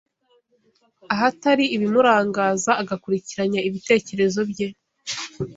ahatari ibimurangaza agakurikiranya ibitekerezo bye